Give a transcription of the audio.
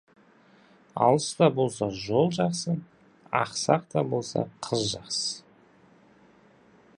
Алыс та болса, жол жақсы, ақсақ та болса, қыз жақсы.